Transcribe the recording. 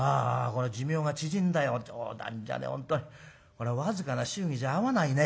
これ僅かな祝儀じゃ合わないね。